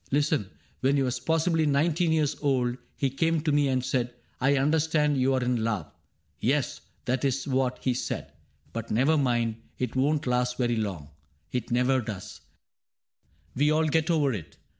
Listen : When he was possibly nineteen years old He came to me and said, ^^ I understand You are in love "— yes, that is what he said, —" But never mind, it won't last very long ; It never does ; we all get over it.